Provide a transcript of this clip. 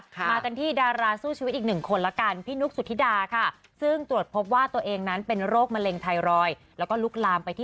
มากันที่ดาราสู้ชีวิตอีก๑คนแล้วกันพินุกสุธิดาค่ะ